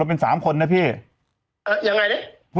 ตอนแรกที่บอกมี๖คนตรงกันเป็น๓คนนะพี่